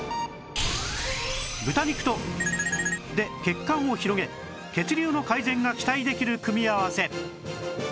豚肉とで血管を広げ血流の改善が期待できる組み合わせ